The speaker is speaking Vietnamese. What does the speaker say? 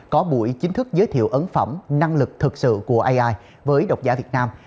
có buổi chính thức giới thiệu ấn phẩm năng lực thực sự của ai với độc giả việt nam